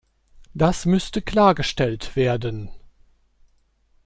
Das müsste klargestellt werden.